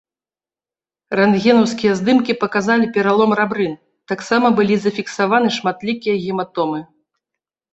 Рэнтгенаўскія здымкі паказалі пералом рабрын, таксама былі зафіксаваны шматлікія гематомы.